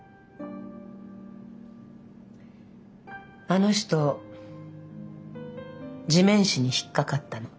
あの人地面師に引っかかったの。